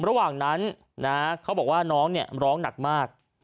ระหว่างนั้นเขาบอกว่าน้องร้องหนักมาก